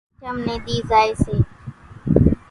اِي آٺم ني ۮي زائي سي،